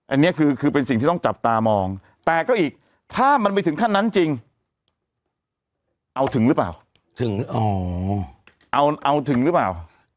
อันนี้คือเป็นสิ่งที่ต้องจับตามองแต่ก็อีกถ้ามันไปถึงขั้นนั้นจริงเอาถึงหรือเปล่า